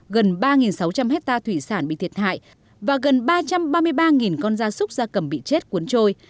gần ba sáu trăm linh hectare thủy sản bị thiệt hại và gần ba trăm ba mươi ba con da súc da cầm bị chết cuốn trôi